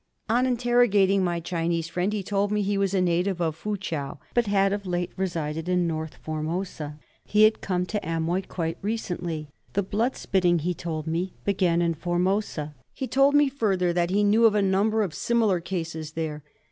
On interrogating my Chinese friend he told me he was a native of Foochow, but had of late years resided in North Formosa. He had come to Amoy quite recently. The blood spitting, he told me, began in Formosa. He told me further that he knew of a number of similar cases there.